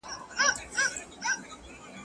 د ایپي د مورچلونو وخت به بیا سي.